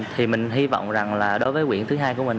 thì mình hy vọng đối với quyển thứ hai của mình